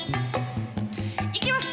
いきます。